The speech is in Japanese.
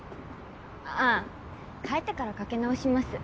あ帰ってからかけ直します。